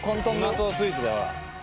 うまそうスイーツだわ。